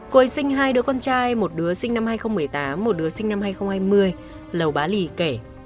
côi sinh hai đứa con trai một đứa sinh năm hai nghìn một mươi tám một đứa sinh năm hai nghìn hai mươi lầu bá lì kể